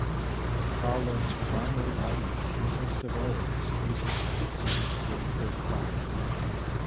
Khaled's primary audience consists of Arabs ages fifteen through thirty-five.